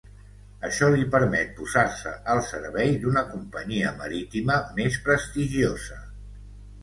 Això li permet posar-se al servei d'una companyia marítima més prestigiosa.